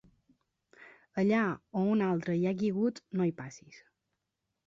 Allà a on un altre hi ha caigut, no hi passis.